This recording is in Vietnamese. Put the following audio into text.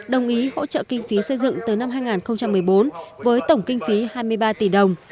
đồng ý hỗ trợ kinh phí xây dựng từ năm hai nghìn một mươi bốn với tổng kinh phí hai mươi ba tỷ đồng